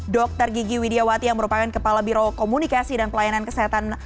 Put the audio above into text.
dr gigi widiawati yang merupakan kepala biro komunikasi dan pelayanan kesehatan